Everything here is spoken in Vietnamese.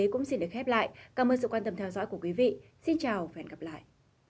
cảm ơn sự quan tâm theo dõi của quý vị xin chào và hẹn gặp lại